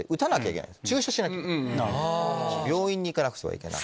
病院に行かなくてはいけない。